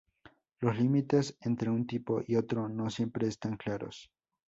Los límites entre un tipo y otro no siempre están claros.